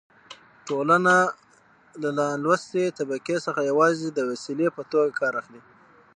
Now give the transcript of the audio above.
ټولنه له نالوستې طبقې څخه يوازې د وسيلې په توګه کار اخلي.